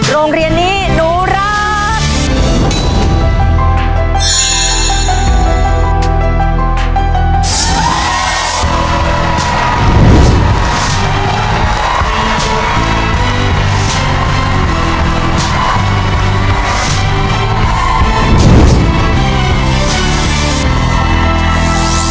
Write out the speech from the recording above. โรงเรียนนี้หนูรัก